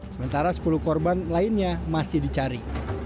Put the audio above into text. sementara sepuluh korban lainnya masih dicari